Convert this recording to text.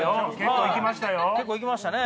結構いきましたよ！